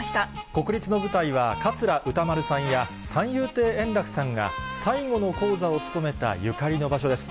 国立の舞台は、桂歌丸さんや三遊亭円楽さんが最後の高座を務めたゆかりの場所です。